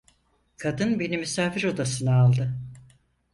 Kadın beni misafir odasına aldı.